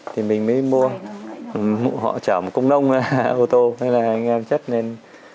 thì mình mới mua họ chở một công nông ra ô tô hay là anh em chất lên